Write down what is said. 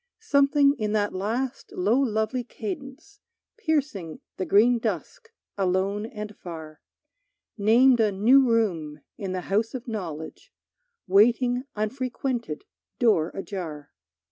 Something in that last low lovely cadence Piercing the green dusk alone and far, Named a new room in the house of knowledge, Waiting unfrequented, door ajar.